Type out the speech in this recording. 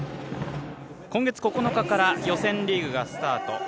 今月９日から予選リーグがスタート。